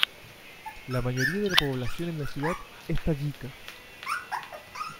La mayoría de la población en la ciudad es tayika.